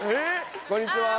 こんにちは。